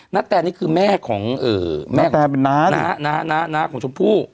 นาแต่นี่คือแม่ของน้าของชมพู่